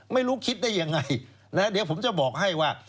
ไม่รู้คิดได้ยังไงนะเดี๋ยวผมจะบอกให้ว่า